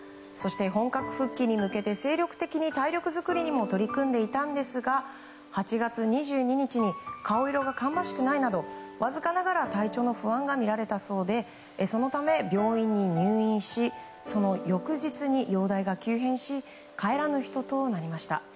本格復帰に向けて精力的に体力づくりにも取り組んでいたんですが８月２２日に顔色が芳しくないなどわずかながら体調の不安が見られたそうでそのため、病院に入院しその翌日に容体が急変しかえらぬ人となりました。